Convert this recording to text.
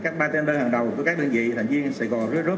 các bartender hàng đầu của các đơn vị thành viên sài gòn tourist group